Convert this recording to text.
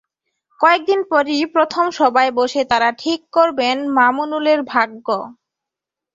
কয়েক দিন পরই প্রথম সভায় বসে তাঁরা ঠিক করবেন মামুনুলের ভাগ্য।